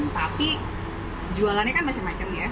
tapi jualannya macam macam